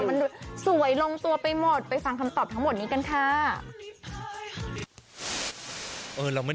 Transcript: มันสวยลงตัวไปหมดไปฟังคำตอบทั้งหมดนี้กันค่ะ